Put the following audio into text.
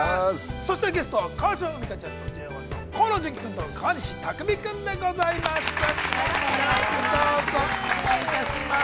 そしてゲストは、川島海荷さんとＪＯ１の河野純喜君と川西拓実君でございます。